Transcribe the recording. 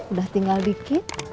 udah tinggal dikit